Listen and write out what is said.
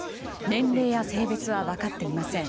年齢や性別は分かっていません。